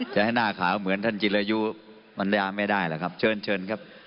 จะให้หน้าขาวเหมือนท่านจิรายุปัญญาไม่ได้หรอกครับเชิญเชิญครับ